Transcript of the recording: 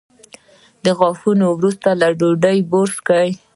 غاښونه وروسته له ډوډۍ برس کړئ